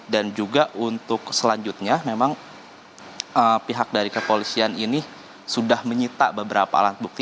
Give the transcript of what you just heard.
dan juga untuk selanjutnya memang pihak dari kepolisian ini sudah menyita beberapa alat bukti